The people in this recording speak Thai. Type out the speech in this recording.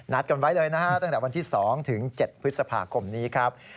กันไว้เลยนะฮะตั้งแต่วันที่๒ถึง๗พฤษภาคมนี้ครับ